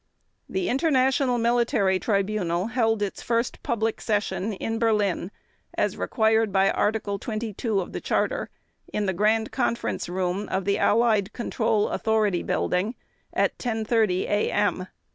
The International Military Tribunal held its first public session in Berlin, as required by Article 22 of the Charter, in the Grand Conference Room of the Allied Control Authority Building at 10:30 a.m.